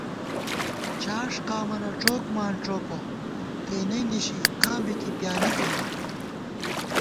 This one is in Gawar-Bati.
جاݭ قامَنہ ڄوک مانڄوکہ تېنے نِشی آں بی کی پیانِتِماں